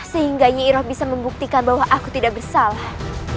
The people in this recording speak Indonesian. sehingga nyi iroh bisa membuktikan bahwa aku tidak bersalah